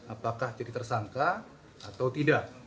apakah jadi tersangka atau tidak